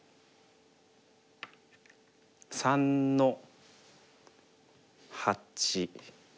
３の八。